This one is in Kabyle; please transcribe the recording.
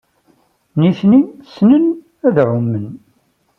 Nitni ssnen ad ɛumen.